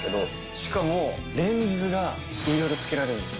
しかもレンズがいろいろ付けられるんですよ。